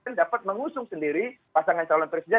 kita dapat mengusung pasangan calon presiden dan wakil presiden